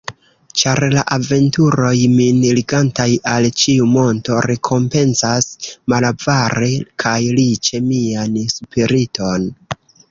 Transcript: Ĉar la aventuroj min ligantaj al ĉiu monto rekompencas malavare kaj riĉe mian spiriton.